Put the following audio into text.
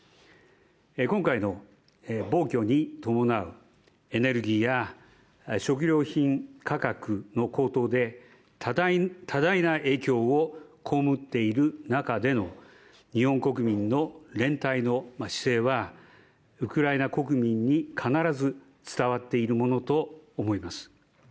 今回の暴挙に伴うエネルギーや食料品価格の高騰で多大な影響を被っている中での日本国民の連帯の姿勢はウクライナ国民に必ず伝わっているものと思います。